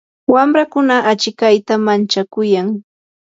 wamrakuna achikayta manchakuyan.